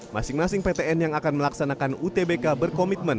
masing masing ptn yang akan melaksanakan utbk berkomitmen